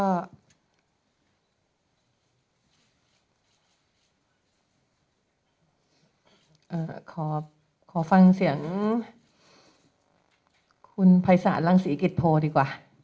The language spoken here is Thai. อ่าขอขอฟังเสียงคุณภัยศาสตร์รังสีกิตโพดีกว่า